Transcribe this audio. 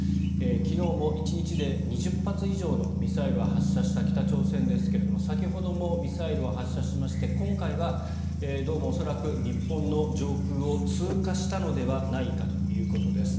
昨日も１日で２０発以上のミサイルを発射した北朝鮮ですが先ほどもミサイルを発射しまして今回はどうも恐らく日本の上空を通過したのではないかということです。